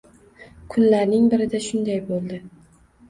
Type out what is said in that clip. Kunlarning birida shunday bo‘ldi.